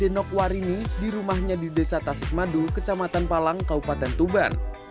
dia menguasai warini di rumahnya di desa tasik madu kecamatan palang kabupaten tuban